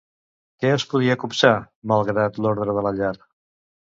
Què es podia copsar, malgrat l'ordre de la llar?